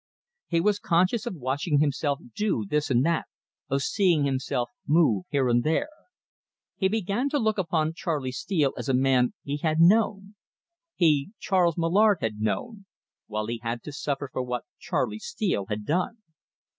He was conscious of watching himself do this and that, of seeing himself move here and there. He began to look upon Charley Steele as a man he had known he, Charles Mallard, had known while he had to suffer for what Charley Steele had done.